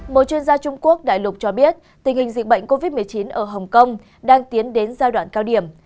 một chuyên gia trung quốc đại lục cho biết tình hình dịch bệnh covid một mươi chín ở hồng kông đang tiến đến giai đoạn cao điểm